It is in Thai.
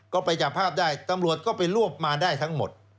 ก็ไปจับภาพได้ตำรวจก็ไปรวบมาได้ทั้งหมด